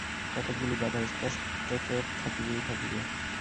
কতকগুলি বাধা স্পষ্টত থাকিবেই থাকিবে।